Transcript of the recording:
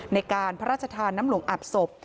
ในการพระราชทานน้ำหลวงอาบศพ